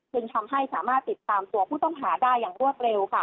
จึงทำให้สามารถติดตามตัวผู้ต้องหาได้อย่างรวดเร็วค่ะ